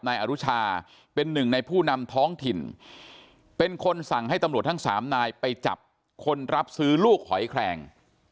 นายอนุชาเป็นหนึ่งในผู้นำท้องถิ่นเป็นคนสั่งให้ตำรวจทั้งสามนายไปจับคนรับซื้อลูกหอยแคลง